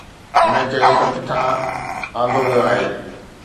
هن چيو ته ڪٿان آندو ويو آهي.